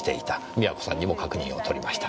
美和子さんにも確認を取りました。